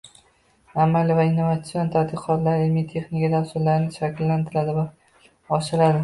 amaliy va innovatsion tadqiqotlarning ilmiy-texnika dasturlarini shakllantiradi va amalga oshiradi;